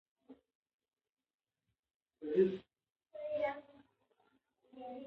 زه د انګورو باغ لرم